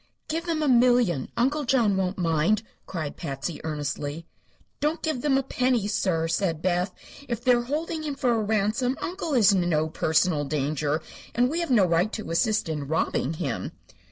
"Give them a million Uncle John won't mind," cried Patsy, earnestly. "Don't give them a penny, sir," said Beth. "If they are holding him for a ransom Uncle is in no personal danger, and we have no right to assist in robbing him."